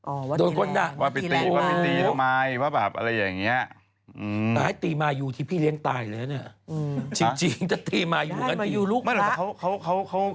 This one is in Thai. โอ้วว่าตีแรงตีแรงมาก